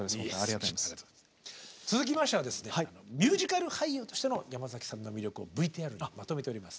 続きましてはですねミュージカル俳優としての山崎さんの魅力をＶＴＲにまとめております